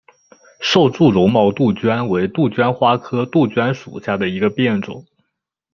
瘦柱绒毛杜鹃为杜鹃花科杜鹃属下的一个变种。